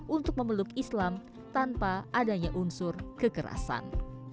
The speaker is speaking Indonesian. untuk memeluk islam tanpa adanya unsur kekerasan